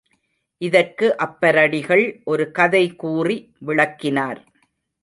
இதற்கு அப்பரடிகள் ஒரு கதை கூறி விளக்கினார்.